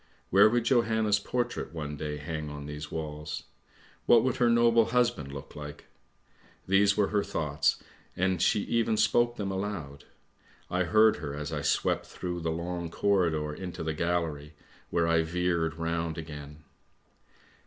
Where would Johanna's portrait one day hang on these walls ? What would her noble husband look like ? These were her thoughts, and she even spoke them aloud; I heard her as I swept through the long corridor into the gallery, where I veered round again.